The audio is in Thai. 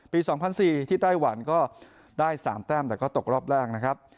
๒๐๐๔ที่ไต้หวันก็ได้๓แต้มแต่ก็ตกรอบแรกนะครับ